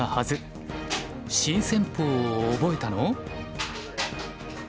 新戦法を覚えたの？